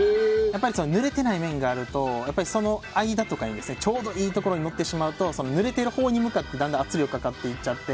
ぬれてない面があるとその間とかにちょうどいいところにのってしまうとぬれてるほうに向かってだんだん圧力がかかっていって